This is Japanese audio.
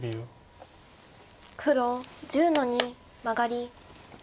黒１０の二マガリ。